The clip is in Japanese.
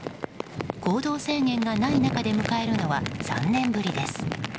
行動制限がない中で迎えるのは３年ぶりです。